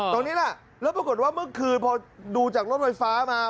ตรงนี้แหละแล้วปรากฏว่าเมื่อคืนพอดูจากรถไฟฟ้ามา